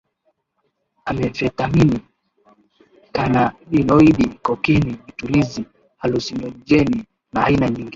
amfetamini canabinoidi kokeni vitulizi halusinojeni na aina nyingi